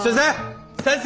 先生！？